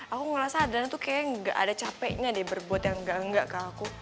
aku ngerasa adalah tuh kayaknya gak ada capeknya deh berbuat yang gak ke aku